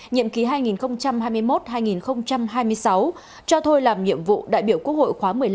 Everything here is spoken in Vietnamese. nhiệm ký hai nghìn hai mươi một hai nghìn hai mươi sáu cho thôi làm nhiệm vụ đại biểu quốc hội khóa một mươi năm